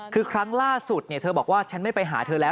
คือครั้งล่าสุดเธอบอกว่าฉันไม่ไปหาเธอแล้ว